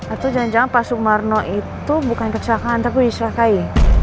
atau jangan jangan pak sumarno itu bukan kesalahan nanti gue diserahkai